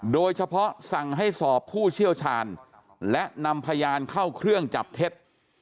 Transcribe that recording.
สั่งให้สอบผู้เชี่ยวชาญและนำพยานเข้าเครื่องจับเท็จ